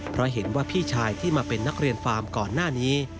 เพราะเห็นว่าพี่ชายที่มาเป็นนักเรียนฟาร์มก่อนหน้านี้